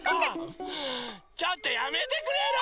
ちょっとやめてくれる！